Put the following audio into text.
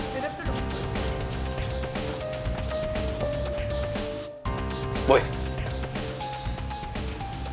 tidak ada dokter